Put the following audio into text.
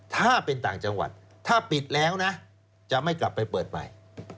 ถ้าเป็นต่างจังหวัดถ้าปิดแล้วนะจะไม่กลับไปเปิดใหม่